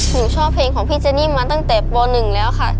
หนูชอบเพลงของพี่เจนี่มาตั้งแต่ป๑แล้วค่ะ